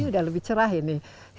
sudah lebih cerah ini